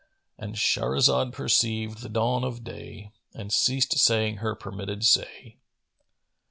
'" —And Shahrazad perceived the dawn of day and ceased saying her permitted say.